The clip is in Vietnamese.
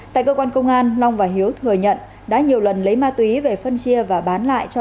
tại cơ quan công an long và hiếu thừa nhận đã nhiều lần lấy ma túy về phân chia và bán lại cho